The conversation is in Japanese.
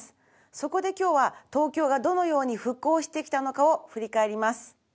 そこで今日は東京がどのように復興してきたのかを振り返ります。